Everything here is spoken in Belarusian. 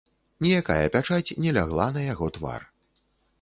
Ніякая пячаць не лягла на яго твар.